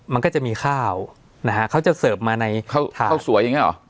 มันก็จะมีข้าวนะฮะเขาจะเสิร์ฟมาในข้าวสวยอย่างเงี้หรอ